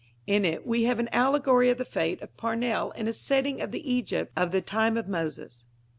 In it we have an allegory of the fate of Parnell in a setting of the Egypt of the time of Moses.